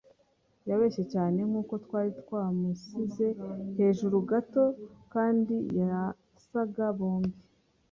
Yabeshye cyane nkuko twari twaramusize, hejuru gato, kandi yasaga bombi